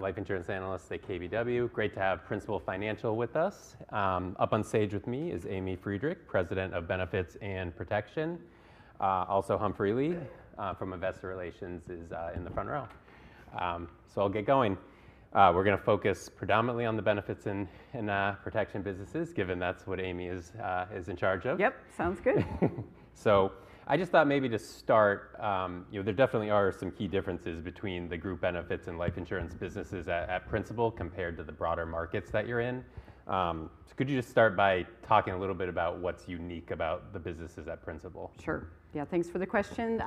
... life insurance analyst at KBW. Great to have Principal Financial with us. Up on stage with me is Amy Friedrich, President of Benefits and Protection. Also Humphrey Lee from Investor Relations is in the front row. So I'll get going. We're gonna focus predominantly on the benefits and protection businesses, given that's what Amy is in charge of. Yep. Sounds good. So I just thought maybe to start, you know, there definitely are some key differences between the group benefits and life insurance businesses at Principal compared to the broader markets that you're in. So could you just start by talking a little bit about what's unique about the businesses at Principal? Sure. Yeah, thanks for the question.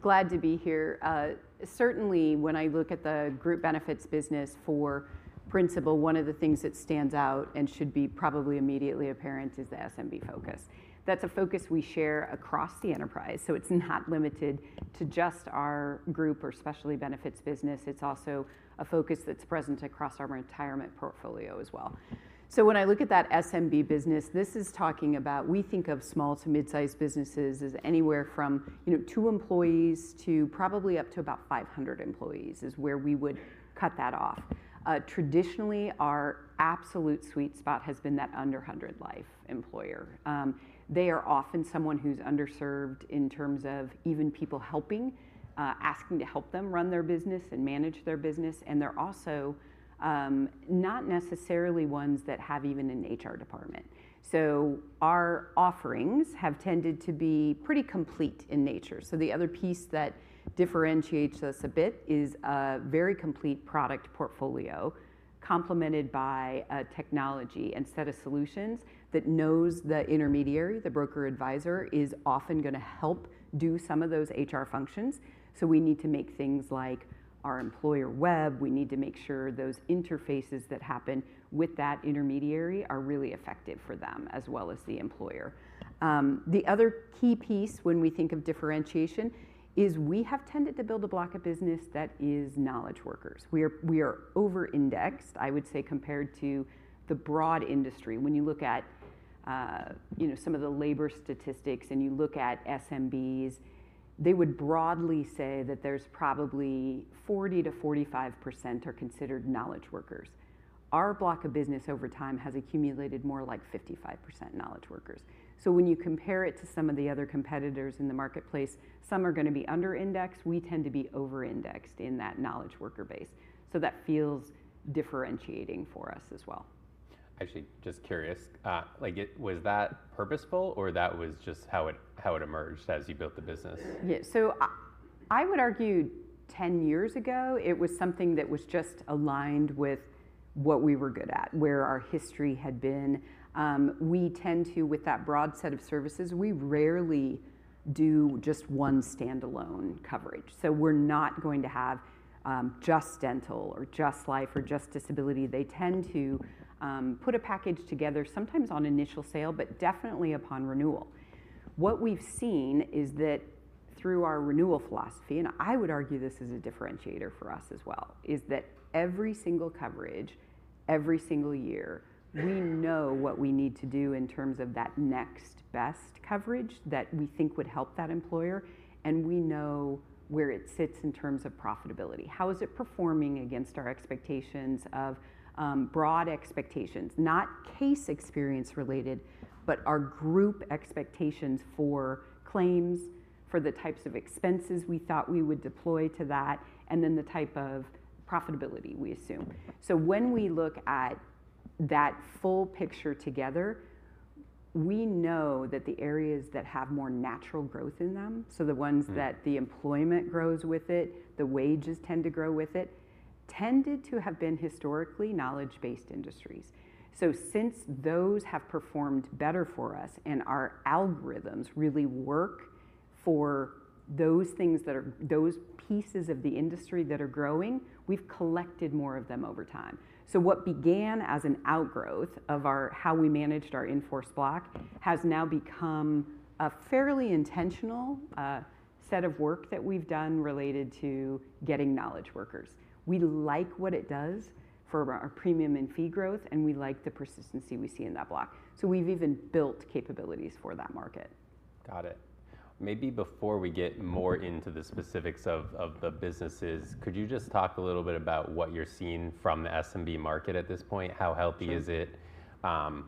Glad to be here. Certainly, when I look at the group benefits business for Principal, one of the things that stands out, and should be probably immediately apparent, is the SMB focus. That's a focus we share across the enterprise, so it's not limited to just our group or specialty benefits business. It's also a focus that's present across our retirement portfolio as well. So when I look at that SMB business, this is talking about... We think of small to mid-sized businesses as anywhere from, you know, two employees to probably up to about 500 employees, is where we would cut that off. Traditionally, our absolute sweet spot has been that under 100 life employer. They are often someone who's underserved in terms of even people helping, asking to help them run their business and manage their business, and they're also not necessarily ones that have even an HR department. So our offerings have tended to be pretty complete in nature. So the other piece that differentiates us a bit is a very complete product portfolio, complemented by a technology and set of solutions that knows the intermediary. The broker advisor is often gonna help do some of those HR functions, so we need to make things like our Employer Web. We need to make sure those interfaces that happen with that intermediary are really effective for them, as well as the employer. The other key piece when we think of differentiation is we have tended to build a block of business that is Knowledge Workers. We are over-indexed, I would say, compared to the broad industry. When you look at, you know, some of the labor statistics, and you look at SMBs, they would broadly say that there's probably 40%-45% are considered knowledge workers. Our block of business over time has accumulated more like 55% knowledge workers. So when you compare it to some of the other competitors in the marketplace, some are gonna be under-indexed. We tend to be over-indexed in that knowledge worker base, so that feels differentiating for us as well. Actually, just curious, like, was that purposeful, or that was just how it emerged as you built the business? Yeah, so I would argue 10 years ago, it was something that was just aligned with what we were good at, where our history had been. We tend to, with that broad set of services, we rarely do just one standalone coverage. So we're not going to have just dental or just life or just disability. They tend to put a package together, sometimes on initial sale, but definitely upon renewal. What we've seen is that through our renewal philosophy, and I would argue this is a differentiator for us as well, is that every single coverage, every single year, we know what we need to do in terms of that next best coverage that we think would help that employer, and we know where it sits in terms of profitability. How is it performing against our expectations of broad expectations? Not case experience-related, but our group expectations for claims, for the types of expenses we thought we would deploy to that, and then the type of profitability we assume. So when we look at that full picture together, we know that the areas that have more natural growth in them, so the ones- Mm... that the employment grows with it, the wages tend to grow with it, tended to have been historically knowledge-based industries. So since those have performed better for us, and our algorithms really work for those things that are... those pieces of the industry that are growing, we've collected more of them over time. So what began as an outgrowth of our, how we managed our in-force block, has now become a fairly intentional set of work that we've done related to getting knowledge workers. We like what it does for our premium and fee growth, and we like the persistency we see in that block. So we've even built capabilities for that market. Got it. Maybe before we get more into the specifics of the businesses, could you just talk a little bit about what you're seeing from the SMB market at this point? Sure. How healthy is it?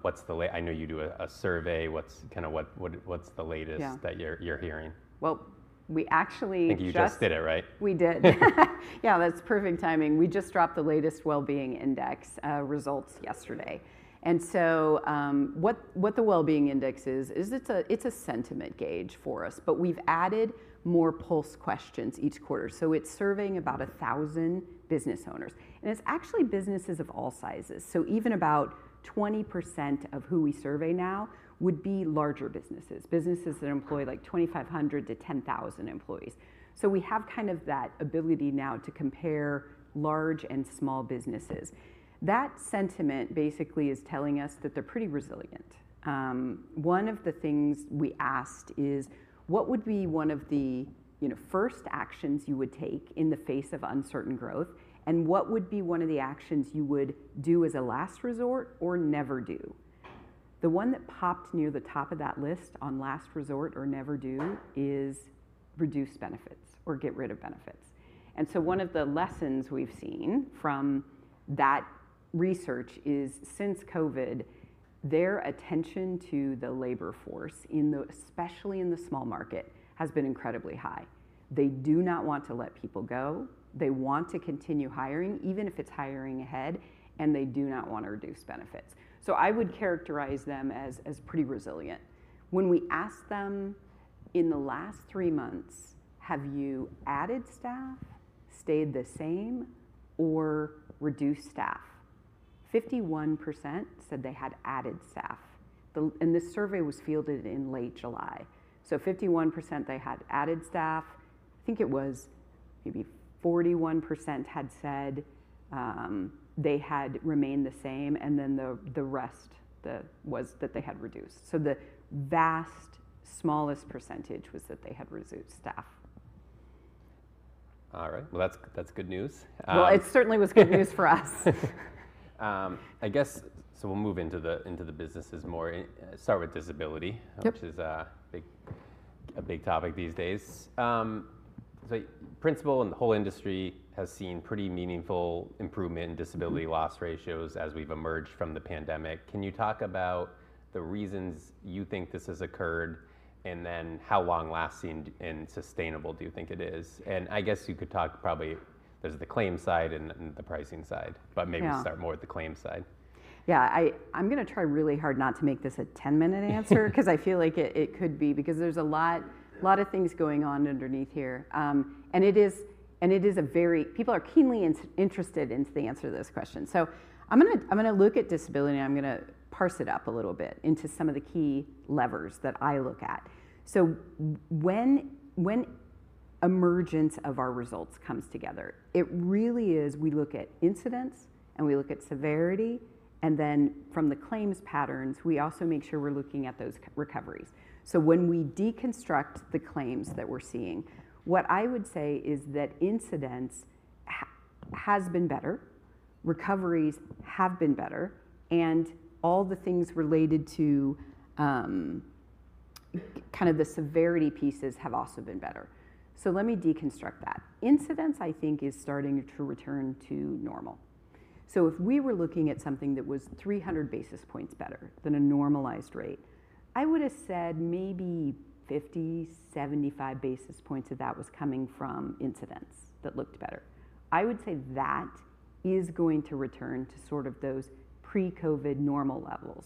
What's the la- I know you do a survey. What's kind of, what's the latest- Yeah... that you're hearing? Well, we actually just- I think you just did it, right? We did. Yeah, that's perfect timing. We just dropped the latest Well-Being Index results yesterday. And so, what the Well-Being Index is, is it's a sentiment gauge for us, but we've added more pulse questions each quarter. So it's surveying about 1,000 business owners, and it's actually businesses of all sizes. So even about 20% of who we survey now would be larger businesses, businesses that employ, like, 2,500-10,000 employees. So we have kind of that ability now to compare large and small businesses. That sentiment basically is telling us that they're pretty resilient. One of the things we asked is: What would be one of the, you know, first actions you would take in the face of uncertain growth, and what would be one of the actions you would do as a last resort or never do?... The one that popped near the top of that list on last resort or never do is reduce benefits or get rid of benefits. And so one of the lessons we've seen from that research is since COVID, their attention to the labor force, especially in the small market, has been incredibly high. They do not want to let people go. They want to continue hiring, even if it's hiring ahead, and they do not want to reduce benefits. So I would characterize them as pretty resilient. When we asked them, "In the last three months, have you added staff, stayed the same, or reduced staff?" 51% said they had added staff. And this survey was fielded in late July. So 51%, they had added staff. I think it was maybe 41% had said they had remained the same, and then the rest was that they had reduced. So the vast smallest percentage was that they had reduced staff. All right. Well, that's good news. It certainly was good news for us. I guess, so we'll move into the businesses more. Start with disability- Yep... which is a big topic these days. So Principal and the whole industry has seen pretty meaningful improvement in disability- Mm-hmm... loss ratios as we've emerged from the pandemic. Can you talk about the reasons you think this has occurred, and then how long-lasting and sustainable do you think it is? And I guess you could talk probably, there's the claims side and then the pricing side. Yeah. But maybe start more with the claims side. Yeah, I'm gonna try really hard not to make this a ten-minute answer... 'cause I feel like it could be, because there's a lot- Yeah... a lot of things going on underneath here. And it is a very... People are keenly interested in the answer to this question. So I'm gonna look at disability, and I'm gonna parse it up a little bit into some of the key levers that I look at. So when emergence of our results comes together, it really is, we look at incidence, and we look at severity, and then from the claims patterns, we also make sure we're looking at those recoveries. So when we deconstruct the claims that we're seeing, what I would say is that incidence has been better, recoveries have been better, and all the things related to kind of the severity pieces have also been better. So let me deconstruct that. Incidents, I think, is starting to return to normal. So if we were looking at something that was 300 basis points better than a normalized rate, I would've said maybe 50-75 basis points of that was coming from incidence that looked better. I would say that is going to return to sort of those pre-COVID normal levels.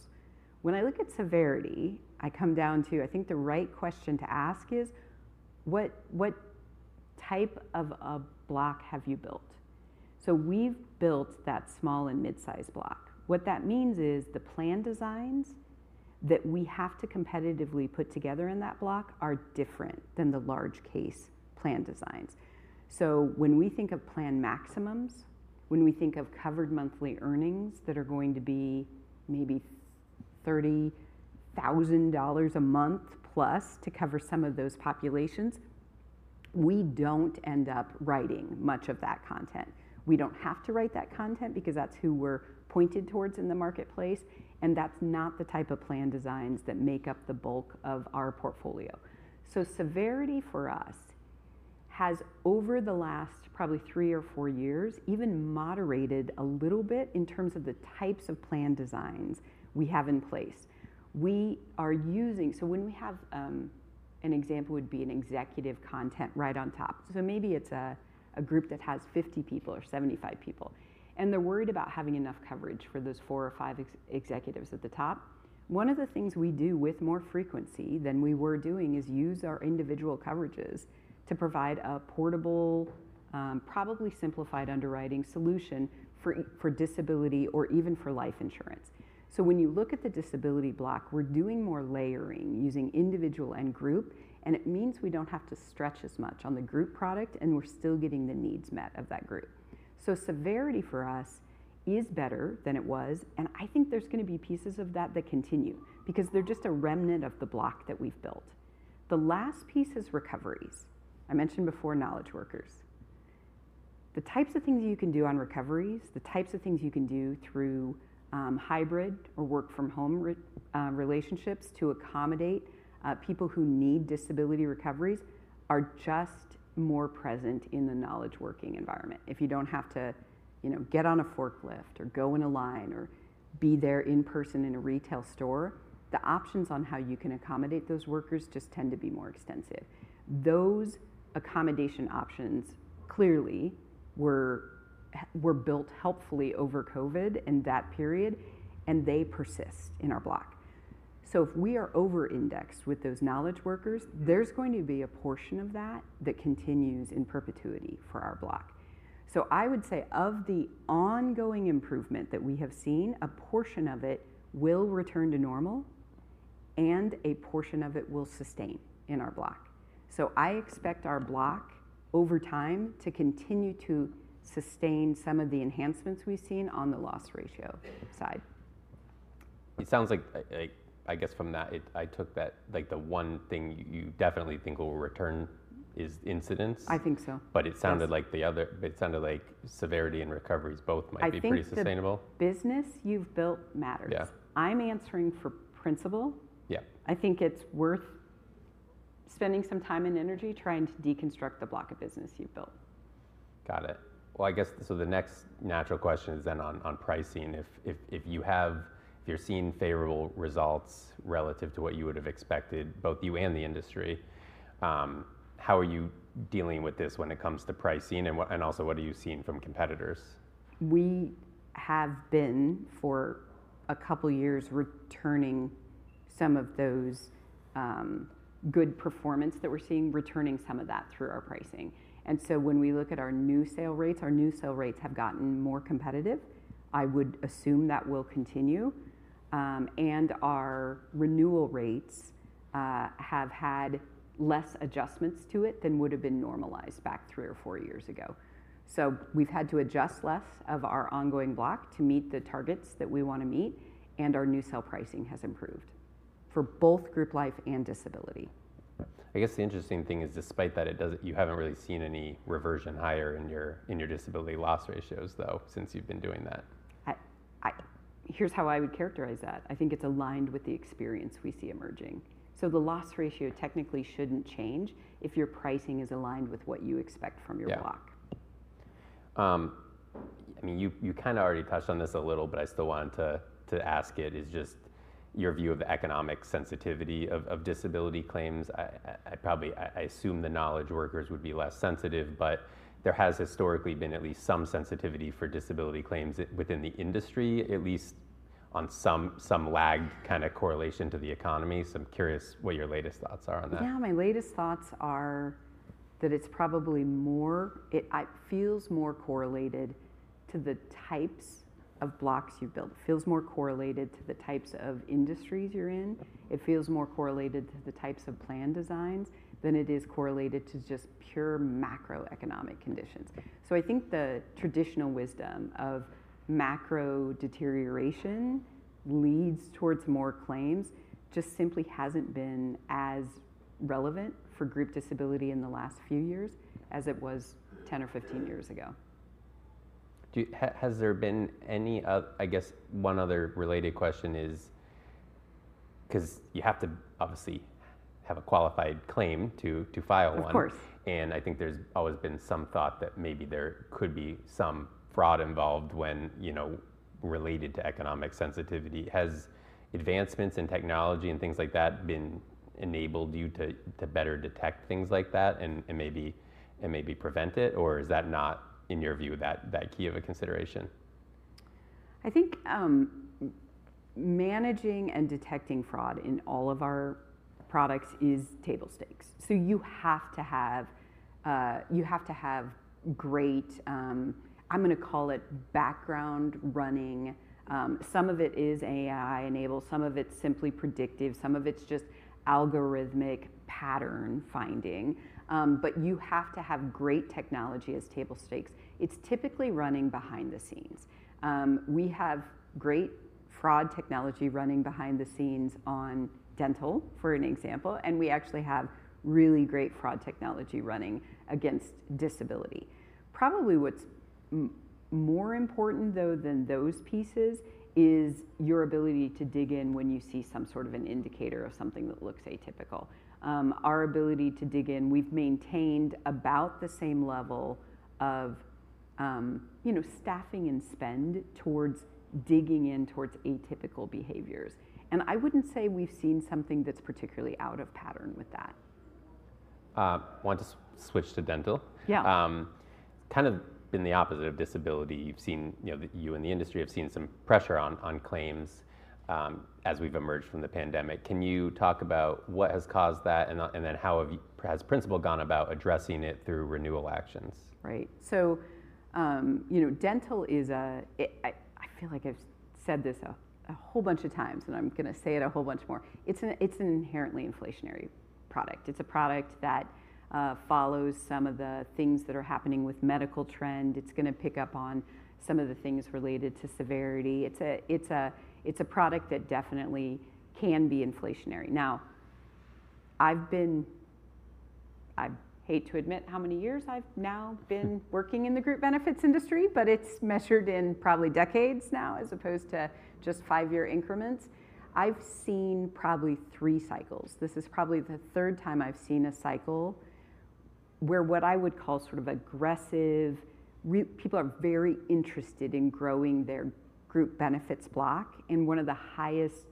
When I look at severity, I come down to, I think the right question to ask is: What type of a block have you built? So we've built that small and mid-sized block. What that means is the plan designs that we have to competitively put together in that block are different than the large case plan designs. So when we think of plan maximums, when we think of covered monthly earnings that are going to be maybe $30,000 a month plus to cover some of those populations, we don't end up writing much of that content. We don't have to write that content because that's who we're pointed towards in the marketplace, and that's not the type of plan designs that make up the bulk of our portfolio. So severity for us has, over the last probably three or four years, even moderated a little bit in terms of the types of plan designs we have in place. So when we have, an example would be an executive complement right on top, so maybe it's a group that has 50 people or 75 people, and they're worried about having enough coverage for those four or five executives at the top. One of the things we do with more frequency than we were doing is use our individual coverages to provide a portable, probably simplified underwriting solution for disability or even for life insurance. So when you look at the disability block, we're doing more layering using individual and group, and it means we don't have to stretch as much on the group product, and we're still getting the needs met of that group. So severity for us is better than it was, and I think there's gonna be pieces of that that continue because they're just a remnant of the block that we've built. The last piece is recoveries. I mentioned before, knowledge workers. The types of things you can do on recoveries, the types of things you can do through hybrid or work from home relationships to accommodate people who need disability recoveries, are just more present in the knowledge working environment. If you don't have to, you know, get on a forklift or go in a line or be there in person in a retail store, the options on how you can accommodate those workers just tend to be more extensive. Those accommodation options clearly were built helpfully over COVID in that period, and they persist in our block. So if we are over-indexed with those knowledge workers- Mm... there's going to be a portion of that that continues in perpetuity for our block. So I would say, of the ongoing improvement that we have seen, a portion of it will return to normal, and a portion of it will sustain in our block. So I expect our block, over time, to continue to sustain some of the enhancements we've seen on the loss ratio side. It sounds like, I guess from that, I took that, like, the one thing you definitely think will return is incidence? I think so. But it sounded like severity and recoveries both might be pretty sustainable. I think the business you've built matters. Yeah. I'm answering for Principal. Yeah. I think it's worth spending some time and energy trying to deconstruct the block of business you've built. Got it. Well, I guess, so the next natural question is then on pricing. If you're seeing favorable results relative to what you would have expected, both you and the industry, how are you dealing with this when it comes to pricing, and also, what are you seeing from competitors? We have been, for a couple years, returning some of those good performance that we're seeing, returning some of that through our pricing. And so when we look at our new sale rates, our new sale rates have gotten more competitive. I would assume that will continue. And our renewal rates have had less adjustments to it than would have been normalized back three or four years ago. So we've had to adjust less of our ongoing block to meet the targets that we wanna meet, and our new sale pricing has improved, for both group life and disability. I guess the interesting thing is, despite that, it doesn't, you haven't really seen any reversion higher in your disability loss ratios, though, since you've been doing that. Here's how I would characterize that: I think it's aligned with the experience we see emerging. So the loss ratio technically shouldn't change if your pricing is aligned with what you expect from your block. Yeah. I mean, you kinda already touched on this a little, but I still wanted to ask it, is just your view of economic sensitivity of disability claims. I probably assume the knowledge workers would be less sensitive, but there has historically been at least some sensitivity for disability claims within the industry, at least on some lag kind of correlation to the economy. So I'm curious what your latest thoughts are on that. Yeah, my latest thoughts are that it's probably more... It, feels more correlated to the types of blocks you've built. It feels more correlated to the types of industries you're in. Yeah. It feels more correlated to the types of plan designs than it is correlated to just pure macroeconomic conditions. Yeah. So I think the traditional wisdom of macro deterioration leads towards more claims just simply hasn't been as relevant for group disability in the last few years as it was 10 or 15 years ago. Has there been any other... I guess, one other related question is... 'Cause you have to obviously have a qualified claim to file one. Of course. I think there's always been some thought that maybe there could be some fraud involved when, you know, related to economic sensitivity. Has advancements in technology and things like that been enabled you to better detect things like that, and maybe prevent it, or is that not, in your view, that key of a consideration? I think, managing and detecting fraud in all of our products is table stakes. So you have to have. You have to have great, I'm gonna call it background running. Some of it is AI-enabled, some of it's simply predictive, some of it's just algorithmic pattern finding. But you have to have great technology as table stakes. It's typically running behind the scenes. We have great fraud technology running behind the scenes on dental, for an example, and we actually have really great fraud technology running against disability. Probably what's more important, though, than those pieces is your ability to dig in when you see some sort of an indicator of something that looks atypical. Our ability to dig in, we've maintained about the same level of, you know, staffing and spend towards digging in towards atypical behaviors. I wouldn't say we've seen something that's particularly out of pattern with that. Want to switch to dental. Yeah. Kind of been the opposite of disability. You've seen, you know, you in the industry have seen some pressure on claims, as we've emerged from the pandemic. Can you talk about what has caused that, and then how has Principal gone about addressing it through renewal actions? Right. So, you know, dental is a, I feel like I've said this a whole bunch of times, and I'm gonna say it a whole bunch more. It's an inherently inflationary product. It's a product that follows some of the things that are happening with medical trend. It's gonna pick up on some of the things related to severity. It's a product that definitely can be inflationary. Now, I've been... I hate to admit how many years I've now been working in the group benefits industry, but it's measured in probably decades now, as opposed to just five-year increments. I've seen probably three cycles. This is probably the third time I've seen a cycle where what I would call sort of aggressive people are very interested in growing their group benefits block, and one of the highest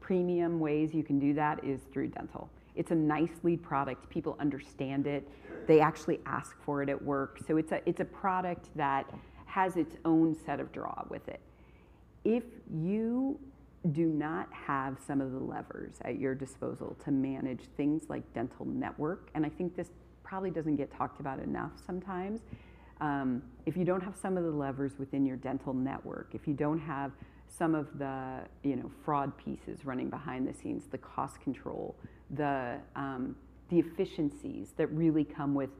premium ways you can do that is through dental. It's a nice lead product. People understand it. They actually ask for it at work. So it's a product that has its own set of draws with it. If you do not have some of the levers at your disposal to manage things like dental network, and I think this probably doesn't get talked about enough sometimes, if you don't have some of the levers within your dental network, if you don't have some of the, you know, fraud pieces running behind the scenes, the cost control, the efficiencies that really come with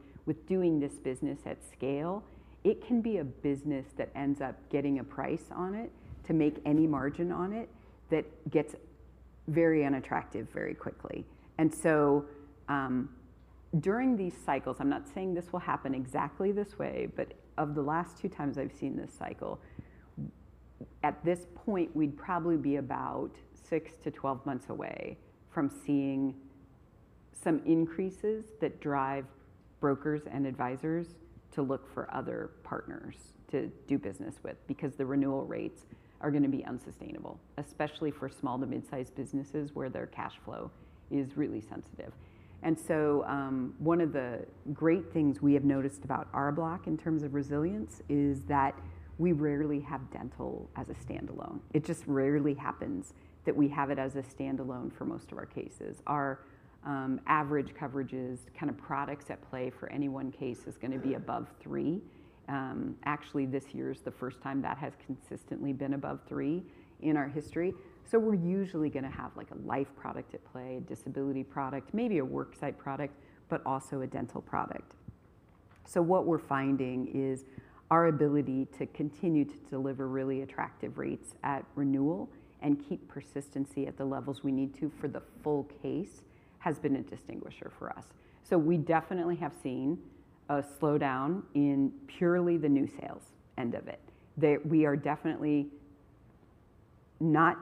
doing this business at scale, it can be a business that ends up getting a price on it to make any margin on it that gets very unattractive very quickly. And so, during these cycles, I'm not saying this will happen exactly this way, but of the last two times I've seen this cycle, at this point, we'd probably be about six to 12 months away from seeing some increases that drive brokers and advisors to look for other partners to do business with, because the renewal rates are gonna be unsustainable, especially for small to mid-sized businesses, where their cash flow is really sensitive. And so, one of the great things we have noticed about our block in terms of resilience is that we rarely have dental as a standalone. It just rarely happens that we have it as a standalone for most of our cases. Our average coverages, kind of products at play for any one case, is gonna be above three. Actually, this year's the first time that has consistently been above three in our history. We're usually gonna have, like, a life product at play, a disability product, maybe a worksite product, but also a dental product. What we're finding is our ability to continue to deliver really attractive rates at renewal and keep persistency at the levels we need to for the full case has been a distinguisher for us. We definitely have seen a slowdown in purely the new sales end of it. We are definitely not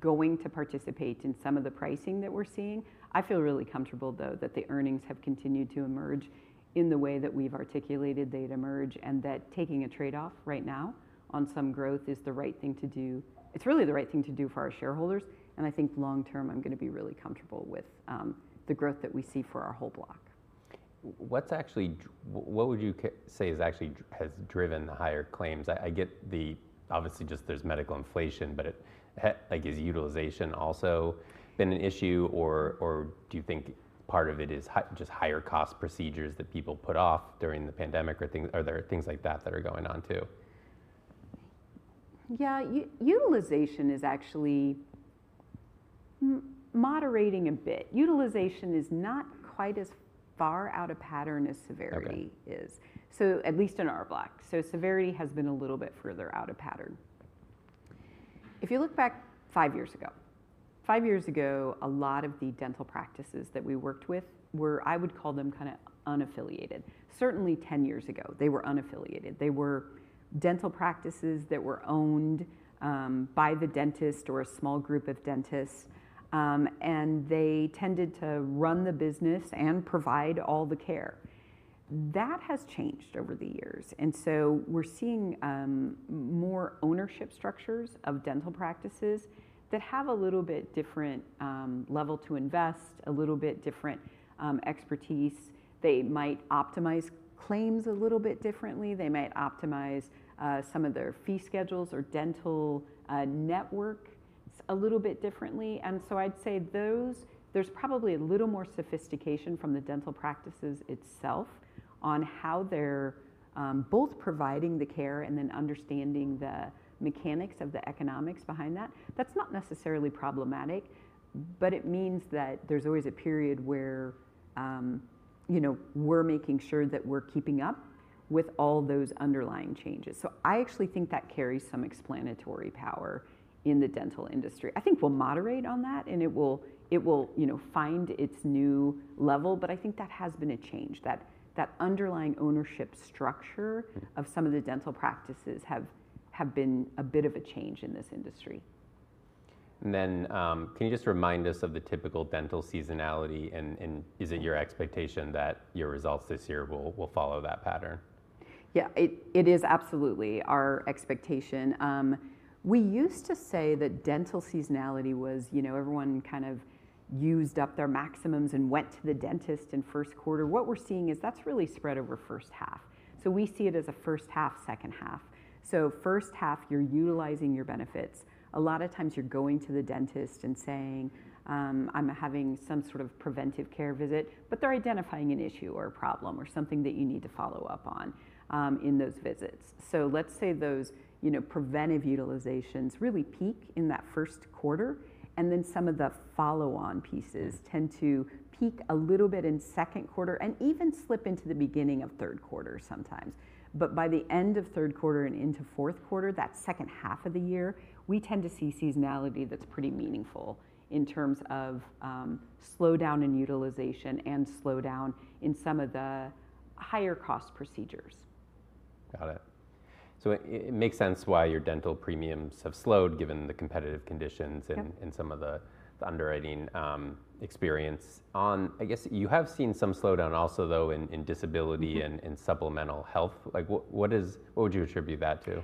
going to participate in some of the pricing that we're seeing. I feel really comfortable, though, that the earnings have continued to emerge in the way that we've articulated they'd emerge, and that taking a trade-off right now on some growth is the right thing to do. It's really the right thing to do for our shareholders, and I think long term, I'm gonna be really comfortable with the growth that we see for our whole block. What would you say actually has driven the higher claims? I get the... Obviously, just there's medical inflation, but it, like, is utilization also been an issue, or, or do you think part of it is just higher cost procedures that people put off during the pandemic, or are there things like that that are going on, too? Yeah, utilization is actually moderating a bit. Utilization is not quite as far out of pattern as severity is. Okay. At least in our block. Severity has been a little bit further out of pattern. If you look back five years ago, a lot of the dental practices that we worked with were, I would call them, kind of unaffiliated. Certainly, 10 years ago, they were unaffiliated. They were dental practices that were owned by the dentist or a small group of dentists, and they tended to run the business and provide all the care. That has changed over the years, and so we're seeing more ownership structures of dental practices that have a little bit different level to invest, a little bit different expertise. They might optimize claims a little bit differently. They might optimize some of their fee schedules or dental network a little bit differently. And so I'd say those, there's probably a little more sophistication from the dental practices itself on how they're both providing the care and then understanding the mechanics of the economics behind that. That's not necessarily problematic, but it means that there's always a period where, you know, we're making sure that we're keeping up with all those underlying changes. So I actually think that carries some explanatory power in the dental industry. I think we'll moderate on that, and it will, you know, find its new level, but I think that has been a change. That underlying ownership structure- Mm... of some of the dental practices have been a bit of a change in this industry. And then, can you just remind us of the typical dental seasonality, and is it your expectation that your results this year will follow that pattern? Yeah, it is absolutely our expectation. We used to say that dental seasonality was, you know, everyone kind of used up their maximums and went to the dentist in first quarter. What we're seeing is that's really spread over first half, so we see it as a first half, second half. So first half, you're utilizing your benefits. A lot of times, you're going to the dentist and saying, "I'm having some sort of preventive care visit," but they're identifying an issue or a problem or something that you need to follow up on in those visits. So let's say those, you know, preventive utilizations really peak in that first quarter, and then some of the follow-on pieces- Mm... tend to peak a little bit in second quarter and even slip into the beginning of third quarter sometimes. But by the end of third quarter and into fourth quarter, that second half of the year, we tend to see seasonality that's pretty meaningful in terms of slowdown in utilization and slowdown in some of the higher-cost procedures. Got it. So it makes sense why your dental premiums have slowed, given the competitive conditions- Yep... and some of the underwriting experience. On... I guess you have seen some slowdown also, though, in disability- Mm-hmm... and supplemental health. Like, what would you attribute that to?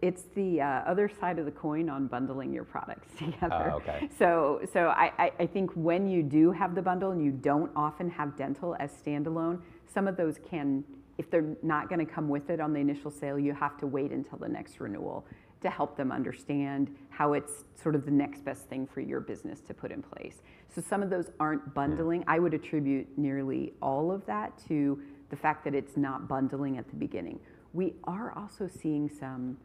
It's the other side of the coin on bundling your products together. Oh, okay. So, I think when you do have the bundle, and you don't often have dental as standalone, some of those can. If they're not gonna come with it on the initial sale, you have to wait until the next renewal to help them understand how it's sort of the next best thing for your business to put in place. So some of those aren't bundling. Yeah. I would attribute nearly all of that to the fact that it's not bundling at the beginning. We are also seeing some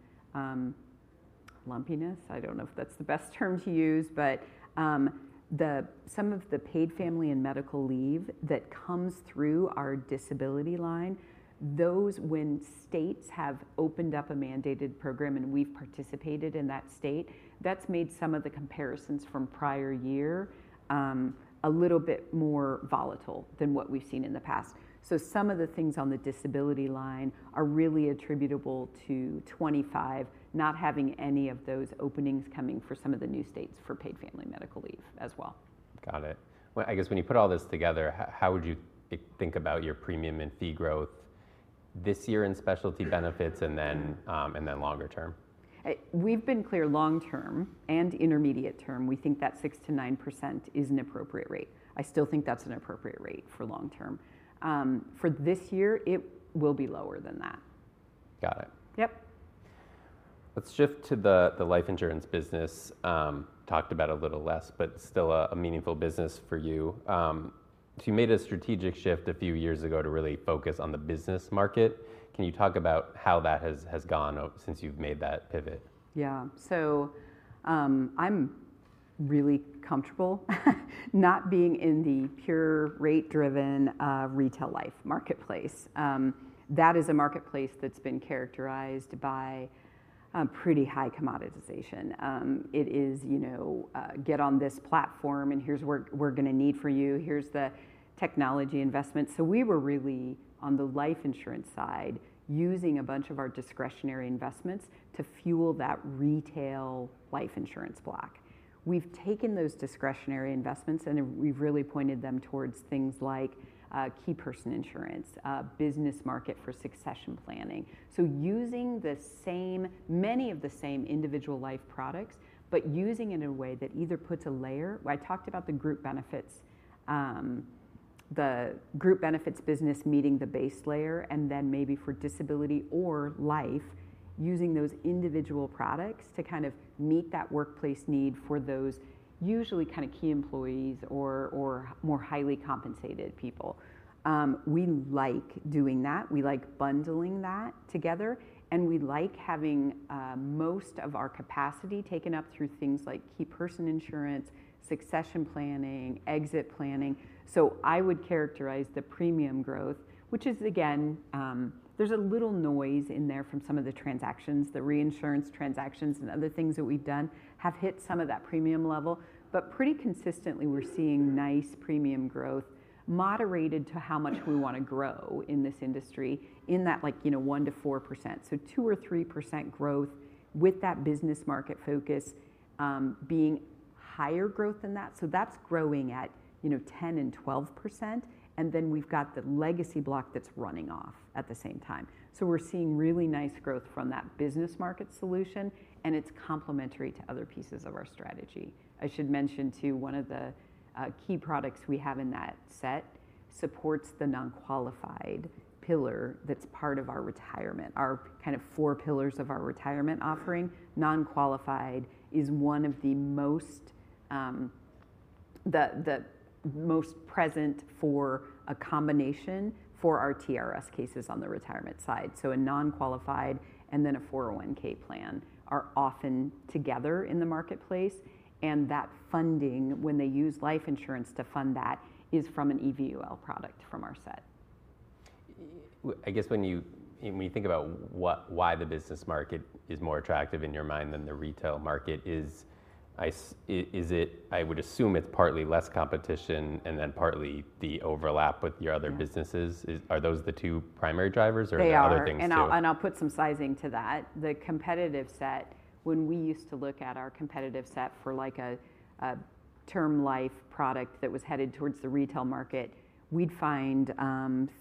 lumpiness. I don't know if that's the best term to use, but some of the paid family and medical leave that comes through our disability line, those when states have opened up a mandated program and we've participated in that state, that's made some of the comparisons from prior year a little bit more volatile than what we've seen in the past. So some of the things on the disability line are really attributable to 2025 not having any of those openings coming for some of the new states for paid family medical leave as well. Got it. Well, I guess when you put all this together, how would you think about your premium and fee growth this year in specialty benefits, and then longer term? We've been clear long term and intermediate term, we think that 6%-9% is an appropriate rate. I still think that's an appropriate rate for long term. For this year, it will be lower than that. Got it. Yep. Let's shift to the life insurance business. Talked about a little less, but still a meaningful business for you. So you made a strategic shift a few years ago to really focus on the business market. Can you talk about how that has gone since you've made that pivot? Yeah. So, I'm really comfortable not being in the pure rate-driven, retail life marketplace. That is a marketplace that's been characterized by a pretty high commoditization. It is, you know, get on this platform, and here's what we're gonna need for you. Here's the technology investment. So we were really on the life insurance side, using a bunch of our discretionary investments to fuel that retail life insurance block. We've taken those discretionary investments, and then we've really pointed them towards things like, key person insurance, business market for succession planning. So using the same... many of the same individual life products, but using in a way that either puts a layer, where I talked about the group benefits, the group benefits business meeting the base layer, and then maybe for disability or life, using those individual products to kind of meet that workplace need for those usually kind of key employees or more highly compensated people. We like doing that. We like bundling that together, and we like having most of our capacity taken up through things like key person insurance, succession planning, exit planning. So I would characterize the premium growth, which is, again, there's a little noise in there from some of the transactions. The reinsurance transactions and other things that we've done have hit some of that premium level, but pretty consistently, we're seeing nice premium growth, moderated to how much we wanna grow in this industry, in that, like, you know, 1-4%. So 2-3% growth with that business market focus, being higher growth than that. So that's growing at, you know, 10% and 12%, and then we've got the legacy block that's running off at the same time. So we're seeing really nice growth from that business market solution, and it's complementary to other pieces of our strategy. I should mention, too, one of the key products we have in that set supports the non-qualified pillar that's part of our retirement. Our kind of four pillars of our retirement offering, non-qualified is one of the most, the most present for a combination for our TRS cases on the retirement side. So a non-qualified and then a 401(k) plan are often together in the marketplace, and that funding, when they use life insurance to fund that, is from an EVUL product from our set. I guess when you think about why the business market is more attractive in your mind than the retail market, is it... I would assume it's partly less competition and then partly the overlap with your other- Yeah... businesses. Are those the two primary drivers, or are there? They are... other things, too? I'll put some sizing to that. The competitive set, when we used to look at our competitive set for, like, a term life product that was headed towards the retail market, we'd find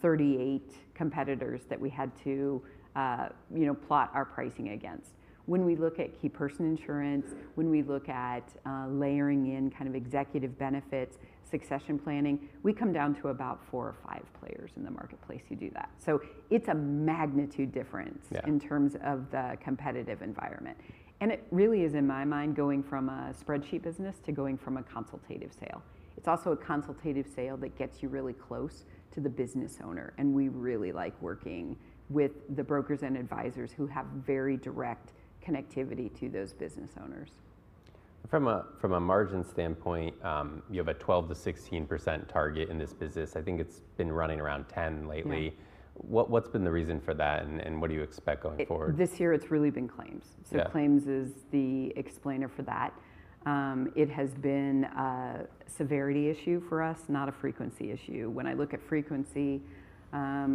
38 competitors that we had to, you know, plot our pricing against. When we look at key person insurance, when we look at layering in kind of executive benefits, succession planning, we come down to about four or five players in the marketplace who do that. So it's a magnitude difference- Yeah... in terms of the competitive environment. It really is, in my mind, going from a spreadsheet business to a consultative sale. It's also a consultative sale that gets you really close to the business owner, and we really like working with the brokers and advisors who have very direct connectivity to those business owners. From a margin standpoint, you have a 12%-16% target in this business. I think it's been running around 10% lately. Yeah. What's been the reason for that, and what do you expect going forward? This year it's really been claims. Yeah. So claims is the explainer for that. It has been a severity issue for us, not a frequency issue. When I look at frequency,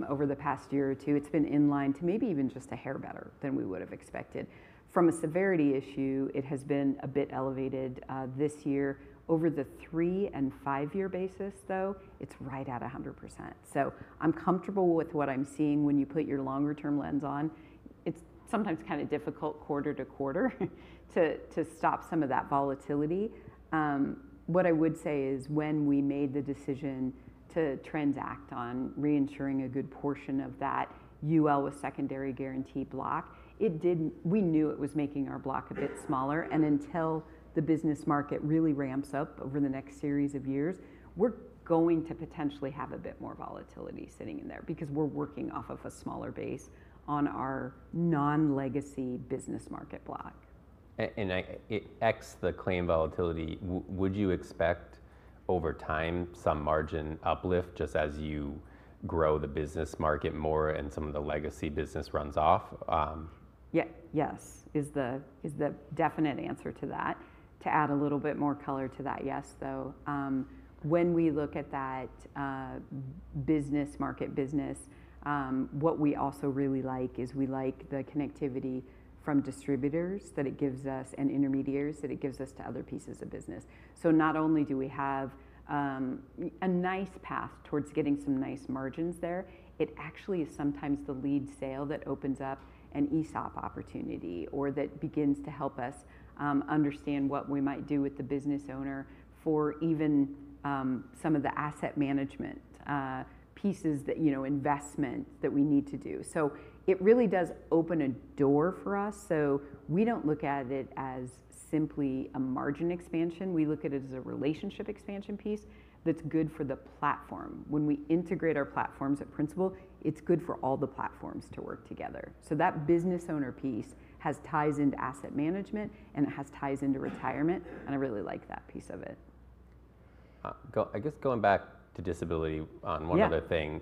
over the past year or two, it's been in line to maybe even just a hair better than we would have expected. From a severity issue, it has been a bit elevated, this year. Over the three- and five-year basis, though, it's right at 100%. So I'm comfortable with what I'm seeing when you put your longer term lens on. It's sometimes kind of difficult quarter to quarter to stop some of that volatility. What I would say is, when we made the decision to transact on reinsuring a good portion of that UL with Secondary Guarantee block, it didn't- we knew it was making our block a bit smaller. Until the business market really ramps up over the next series of years, we're going to potentially have a bit more volatility sitting in there because we're working off of a smaller base on our non-legacy business market block.... And I think, excluding the claim volatility, would you expect over time some margin uplift just as you grow the business more and some of the legacy business runs off? Yeah, yes, is the definite answer to that. To add a little bit more color to that yes, though, when we look at that business market business, what we also really like is we like the connectivity from distributors that it gives us, and intermediaries that it gives us to other pieces of business. So not only do we have a nice path towards getting some nice margins there, it actually is sometimes the lead sale that opens up an ESOP opportunity or that begins to help us understand what we might do with the business owner for even some of the asset management pieces that, you know, investment that we need to do. So it really does open a door for us, so we don't look at it as simply a margin expansion. We look at it as a relationship expansion piece that's good for the platform. When we integrate our platforms at Principal, it's good for all the platforms to work together. So that business owner piece has ties into asset management, and it has ties into retirement, and I really like that piece of it. I guess going back to disability. Yeah... One other thing,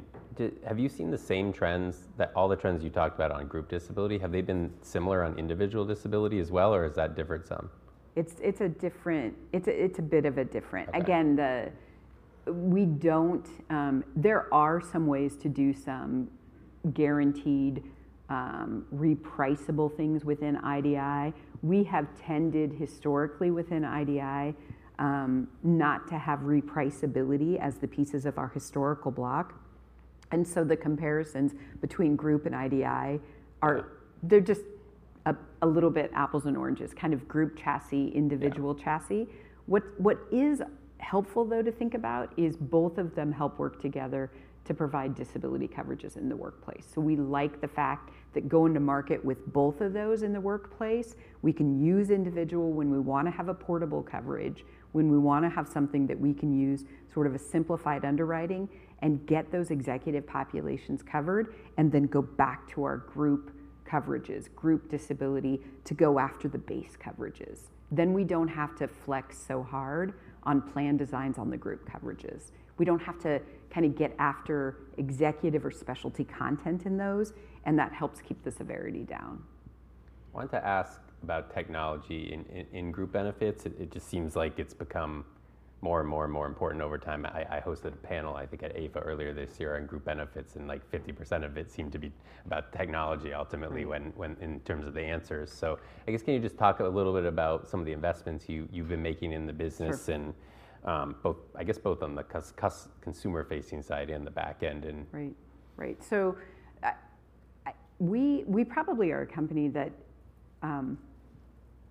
have you seen the same trends that, all the trends you talked about on group disability, have they been similar on individual disability as well, or is that different some? It's a bit of a different. Okay. Again, we don't, there are some ways to do some guaranteed repriceable things within IDI. We have tended historically within IDI not to have repriceability as the pieces of our historical block, and so the comparisons between group and IDI are- Yeah... they're just a little bit apples and oranges, kind of group chassis, individual- Yeah... chassis. What, what is helpful, though, to think about is both of them help work together to provide disability coverages in the workplace. So we like the fact that going to market with both of those in the workplace, we can use individual when we wanna have a portable coverage, when we wanna have something that we can use, sort of a simplified underwriting, and get those executive populations covered, and then go back to our group coverages, group disability, to go after the base coverages. Then we don't have to flex so hard on plan designs on the group coverages. We don't have to kinda get after executive or specialty content in those, and that helps keep the severity down. I wanted to ask about technology in group benefits. It just seems like it's become more and more important over time. I hosted a panel, I think at AIFA earlier this year, on group benefits, and like 50% of it seemed to be about technology ultimately- Mm... when in terms of the answers, so I guess, can you just talk a little bit about some of the investments you've been making in the business- Sure... and, both, I guess both on the consumer-facing side and the back end and- Right. Right, so, we probably are a company that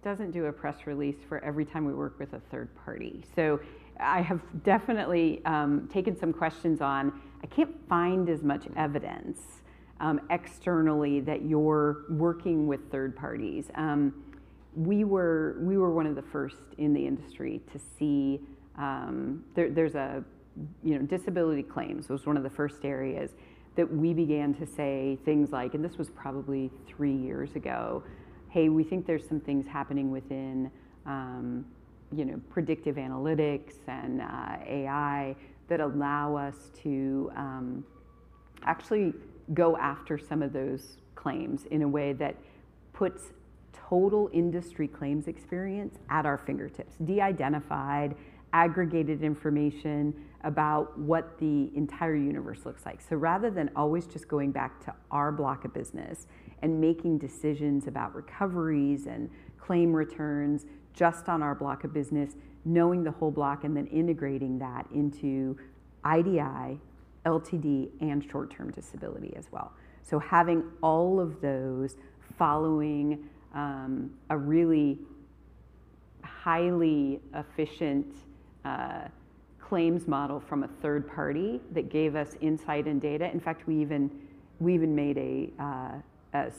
doesn't do a press release for every time we work with a third party. So I have definitely taken some questions on, "I can't find as much evidence, externally, that you're working with third parties." We were one of the first in the industry to see. There's a, you know, disability claims was one of the first areas that we began to say things like, and this was probably three years ago, "Hey, we think there's some things happening within, you know, predictive analytics and AI that allow us to actually go after some of those claims in a way that puts total industry claims experience at our fingertips," de-identified, aggregated information about what the entire universe looks like. So rather than always just going back to our block of business and making decisions about recoveries and claim returns just on our block of business, knowing the whole block and then integrating that into IDI, LTD, and short-term disability as well, so having all of those following a really highly efficient claims model from a third party that gave us insight and data. In fact, we even made a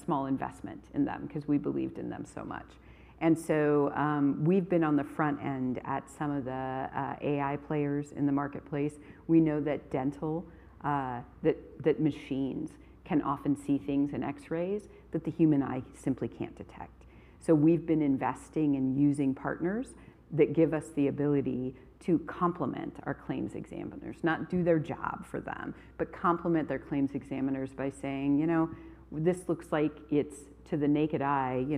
small investment in them 'cause we believed in them so much, and so we've been on the front end at some of the AI players in the marketplace. We know that dental, that machines can often see things in X-rays that the human eye simply can't detect. So we've been investing in using partners that give us the ability to complement our claims examiners, not do their job for them, but complement their claims examiners by saying, "You know, this looks like it's, to the naked eye, you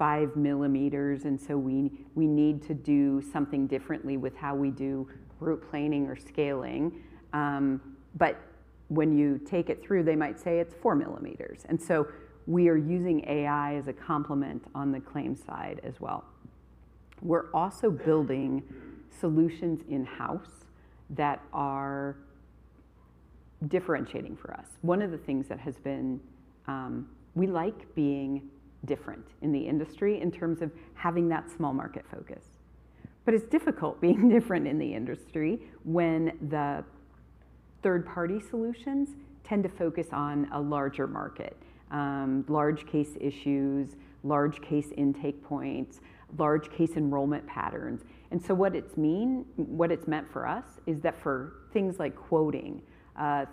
know, five millimeters, and so we need to do something differently with how we do root planing or scaling." But when you take it through, they might say it's four millimeters, and so we are using AI as a complement on the claims side as well. We're also building solutions in-house that are differentiating for us. One of the things that has been, We like being different in the industry in terms of having that small market focus. But it's difficult being different in the industry when the third-party solutions tend to focus on a larger market, large case issues, large case intake points, large case enrollment patterns. And so what it's meant for us is that for things like quoting,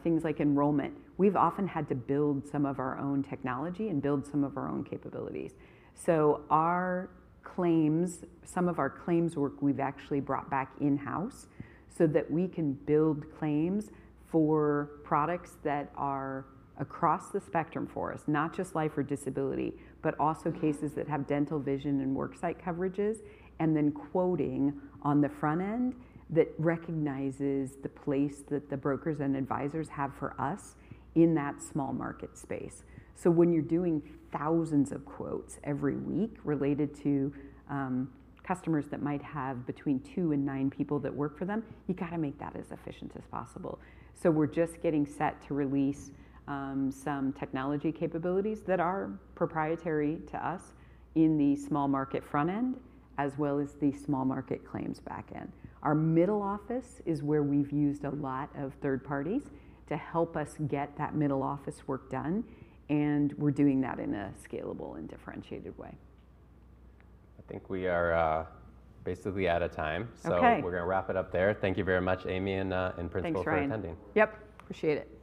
things like enrollment, we've often had to build some of our own technology and build some of our own capabilities. So our claims, some of our claims work we've actually brought back in-house so that we can build claims for products that are across the spectrum for us, not just life or disability, but also cases that have dental, vision, and worksite coverages, and then quoting on the front end that recognizes the place that the brokers and advisors have for us in that small market space. So when you're doing thousands of quotes every week related to, customers that might have between two and nine people that work for them, you've gotta make that as efficient as possible. So we're just getting set to release, some technology capabilities that are proprietary to us in the small market front end, as well as the small market claims back end. Our middle office is where we've used a lot of third parties to help us get that middle office work done, and we're doing that in a scalable and differentiated way. I think we are basically out of time. Okay. So we're gonna wrap it up there. Thank you very much, Amy, and Principal, for attending. Thanks, Ryan. Yep, appreciate it.